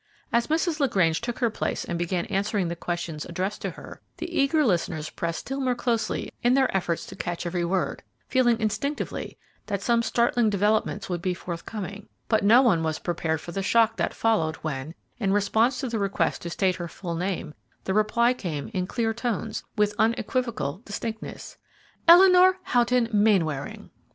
As Mrs. LaGrange took her place and began answering the questions addressed to her, the eager listeners pressed still more closely in their efforts to catch every word, feeling instinctively that some startling developments would be forthcoming; but no one was prepared for the shock that followed when, in response to the request to state her full name, the reply came, in clear tones, with unequivocal distinctness, "Eleanor Houghton Mainwaring."